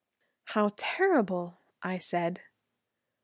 "How terrible!" I said.